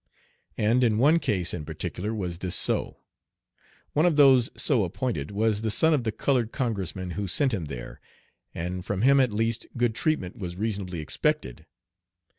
And in one case in particular was this so. One of those so appointed was the son of the colored Congressman who sent him there, and from him at least good treatment was reasonably expected.